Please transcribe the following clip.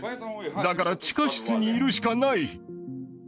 だから地下室にいるしかない。